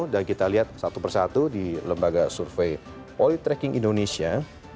dan kita lihat satu persatu di lembaga survei poli tracking indonesia